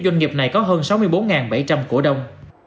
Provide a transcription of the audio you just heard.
doanh nghiệp này có hơn sáu mươi bốn bảy trăm linh cổ đông